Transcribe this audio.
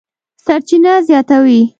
سرچینه زیاتوي